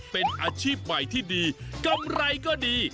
เป็นอาชีพใหม่ที่ดีกำไรก็ดี